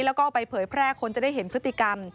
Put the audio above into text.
แล้วก็เอาไปเผยแพร่คนจะได้เห็นพฤติกรรม